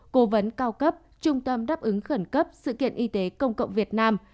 cố vấn cao cấp trung tâm đáp ứng khẩn cấp sự kiện y tế công cộng việt nam